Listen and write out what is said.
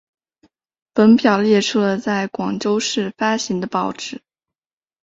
本表列出了在广州市发行的报纸。